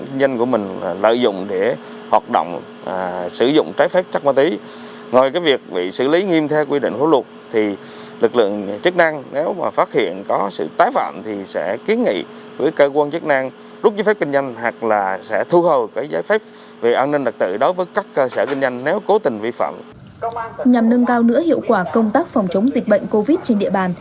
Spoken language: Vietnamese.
nhằm nâng cao nữa hiệu quả công tác phòng chống dịch bệnh covid trên địa bàn